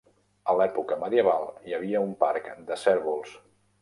A l'època medieval hi havia un parc de cérvols.